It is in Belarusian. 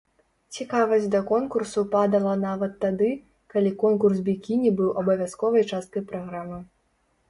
Цікавасць да конкурсу падала нават тады, калі конкурс бікіні быў абавязковай часткай праграмы.